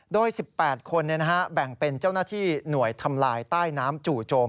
โดย๑๘คนแบ่งเป็นเจ้าหน้าที่หน่วยทำลายใต้น้ำจู่โจม